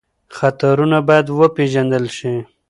خطرونه باید وپېژندل شي.